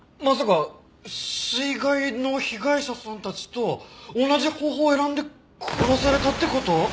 まさか水害の被害者さんたちと同じ方法を選んで殺されたって事？